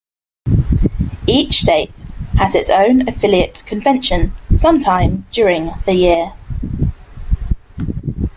Each state has its own affiliate convention sometime during the year.